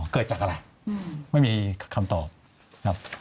เกิดจากอะไรไม่มีคำตอบครับ